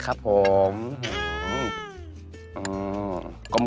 นะครับผม